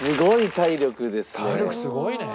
体力すごいね。